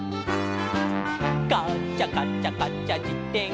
「カチャカチャカチャじてん